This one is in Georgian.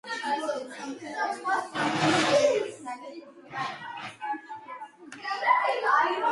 მდებარეობს პოლტავის ოლქის ჩერნუხის რაიონში.